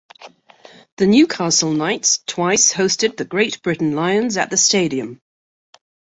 The Newcastle Knights twice hosted the Great Britain Lions at the stadium.